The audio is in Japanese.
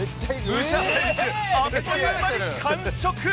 武者選手あっという間に完食！